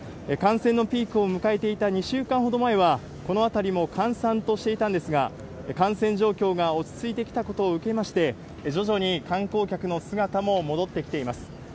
感染のピークを迎えていた２週間ほど前は、この辺りも閑散としていたんですが、感染状況が落ち着いてきたことを受けまして、徐々に観光客の姿も戻ってきています。